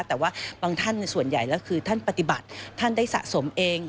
แต่ว่าบางท่านส่วนใหญ่แล้วคือท่านปฏิบัติท่านได้สะสมเอง